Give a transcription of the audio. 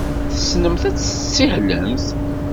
Tessnemt ad tessihlemt?